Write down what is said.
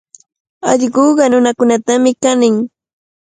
Allquqa nunatami kanin.